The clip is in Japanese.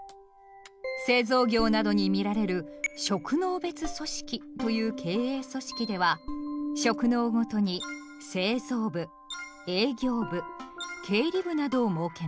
製造業などに見られる「職能別組織」という経営組織では職能ごとに製造部・営業部・経理部などを設けます。